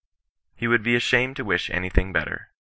He would be ashamed to wish any thing better.